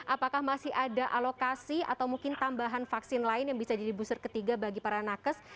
apakah masih ada alokasi atau mungkin tambahan vaksin lain yang bisa jadi booster ketiga bagi para nakes